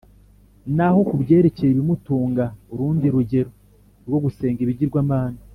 naho ku byerekeye ibimutunga, Urundi rugero rwo gusenga ibigirwamana